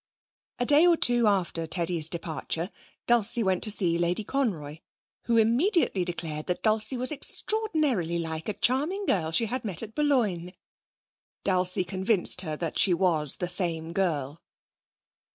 A day or two after Teddy's departure Dulcie went to see Lady Conroy, who immediately declared that Dulcie was extraordinarily like a charming girl she had met at Boulogne. Dulcie convinced her that she was the same girl.